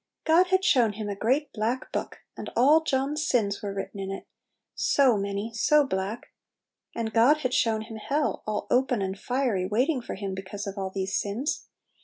God had shown him a great black book; and all John's sins Little Pillows. 15 were written in it, so many, so black ! And God had shown him hell, all open and fiery, waiting for him, because of all these sins.